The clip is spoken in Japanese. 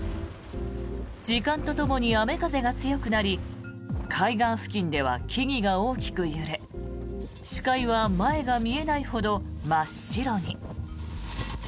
時間とともに雨風が強くなり海岸付近では木々が大きく揺れ視界は前が見えないほど真っ白に。